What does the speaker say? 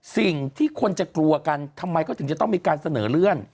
สิ่งที่คนจะกลัวกันทำไมเขาถึงจะต้องมีการเสนอเลื่อน